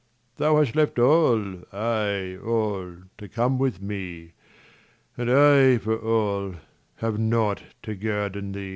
10 Thou hast left all, ay, all to come with me, And I, for all, have nought to guerdon thee.